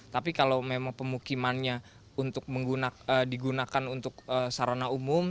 tapi kalau memang pemukimannya untuk digunakan untuk sarana umum